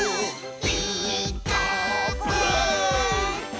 「ピーカーブ！」